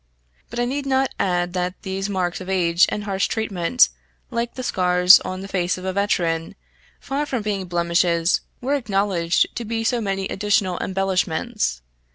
But I need not add that these marks of age and harsh treatment, like the scars on the face of a veteran, far from being blemishes, were acknowledged to be so many additional embellishments.